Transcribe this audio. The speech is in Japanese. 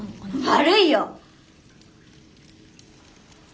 悪いよ！